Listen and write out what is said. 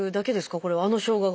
これはあのしょうがが。